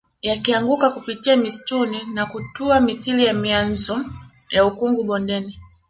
Yakianguka kupitia msituni na kutua mithili ya mianzo ya ukungu bondeni